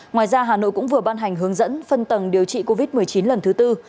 ngoài ra hà nội cũng vừa ban hành hướng dẫn phân tầng điều trị covid một mươi chín lần thứ tư